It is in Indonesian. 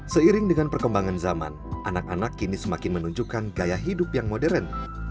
seiring dengan perkembangan zaman anak anak kini semakin menunjukkan gaya hidup yang modern